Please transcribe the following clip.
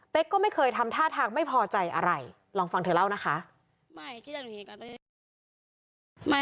ก็ไม่เคยทำท่าทางไม่พอใจอะไรลองฟังเธอเล่านะคะ